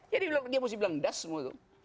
jadi dia mesti bilang dasmu itu